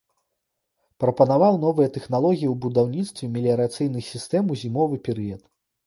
Прапанаваў новыя тэхналогіі ў будаўніцтве меліярацыйных сістэм у зімовы перыяд.